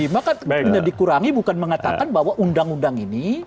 maka dikurangi bukan mengatakan bahwa undang undang ini